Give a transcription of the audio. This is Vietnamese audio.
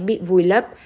bị vùi lấp